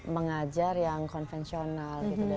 mengajar yang konvensional